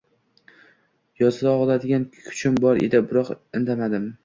Yoza oladigan kuchim bor edi biroq indamadim.